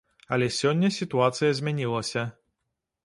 Але сёння сітуацыя змянілася.